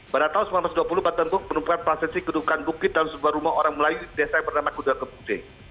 pada tahun seribu sembilan ratus dua puluh batang bukit menemukan prosesi kundukan bukit dalam sebuah rumah orang melayu di desa yang bernama kudang keputih